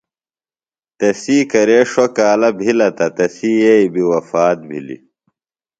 تسی کرے ݜوۡ کالہ بِھلہ تہ تسی یئی بیۡ وفات بِھلیۡ۔